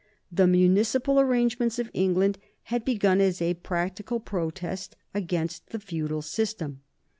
The municipal arrangements of England had begun as a practical protest against the feudal system.